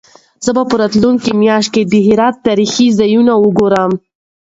زه به راتلونکې میاشت د هرات تاریخي ځایونه وګورم.